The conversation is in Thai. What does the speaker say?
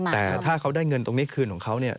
แต่ถ้าเขาได้เงินตรงนี้คืนของเขา